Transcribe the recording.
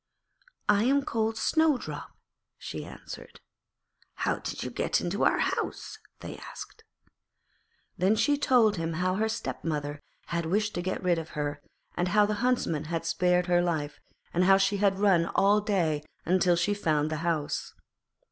'I am called Snowdrop,' she answered. 'How did you get into our house?' they asked. Then she told them how her stepmother had wished to get rid of her, how the Huntsman had spared her life, and how she had run all day till she had found the house.